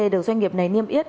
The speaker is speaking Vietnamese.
được doanh nghiệp này niêm yết